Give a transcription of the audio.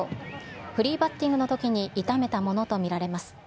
フリーバッティングのときに痛めたものと見られます。